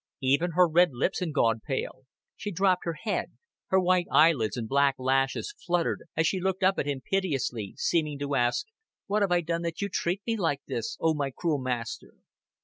Even her red lips had gone pale; she dropped her head; her white eyelids and black lashes fluttered as she looked up at him piteously, seeming to ask: "What have I done that you treat me like this, oh, my cruel master?"